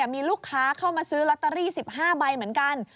มีลูกค้าเข้ามาซื้อลอตเตอรี่๑๕ใบเหมือนกัน